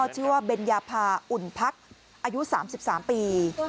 ชื่อว่าเบญญาภาอุ่นพักอายุ๓๓ปี